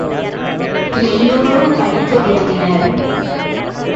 எல்லோரும் படிக்க விரும்பினர்.